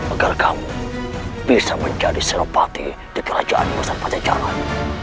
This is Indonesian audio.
agar kamu bisa menjadi serupati di kerajaan masyarakat jalan